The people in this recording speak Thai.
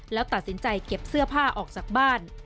แล้วตัดสินใจเก็บเสื้อผ้าออกจากบ้าน